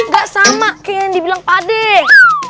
gak sama kayak yang dibilang padeng